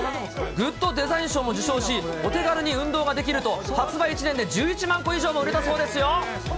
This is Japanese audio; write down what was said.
グッドデザイン賞も受賞し、お手軽に運動ができると、発売１年で１１万個以上も売れたそうですよ。